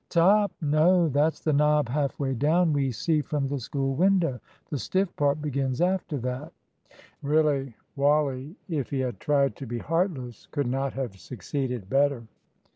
"Top? No, that's the knob half way down we see from the school window. The stiff part begins after that." Really Wally, if he had tried to be heartless, could not have succeeded better.